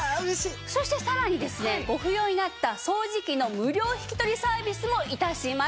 そしてさらにですねご不要になった掃除機の無料引き取りサービスも致します。